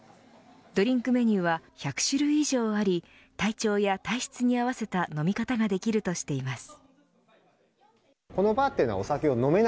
ドリンクメニューは１００種類以上あり体調や体質に合わせた飲み方ができるとしています。